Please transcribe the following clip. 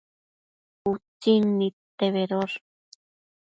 Utsin nidte bedosh